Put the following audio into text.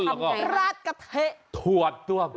ทำยังไงราดกระเทะถวดต้วง